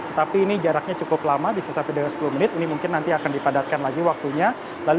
tetapi ini jaraknya cukup lama bisa satu dari sepuluh menit ini mungkin nanti akan dipadatkan lagi waktunya